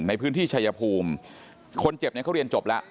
ในพื้นที่ชายภูมิคนเจ็บเนี่ยเขาเรียนจบแล้ว